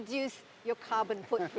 dari segi karbon anda